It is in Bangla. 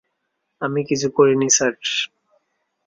আমি কিছু করিনি, স্যার।